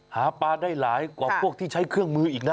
หาปลาได้หลายกว่าพวกที่ใช้เครื่องมืออีกนะ